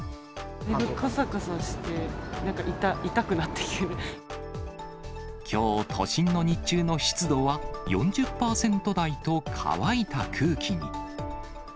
かさかさして、なんか痛くなきょう、都心の日中の湿度は４０％台と乾いた空気に。